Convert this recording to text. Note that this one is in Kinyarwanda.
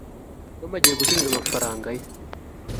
tom agiye gusubiza amafaranga ye